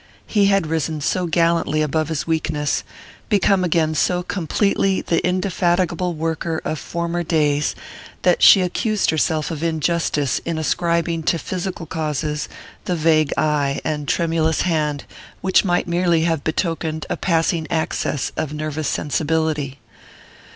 He had risen so gallantly above his weakness, become again so completely the indefatigable worker of former days, that she accused herself of injustice in ascribing to physical causes the vague eye and tremulous hand which might merely have betokened a passing access of nervous sensibility.